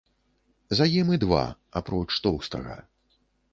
За ім і два, апроч тоўстага.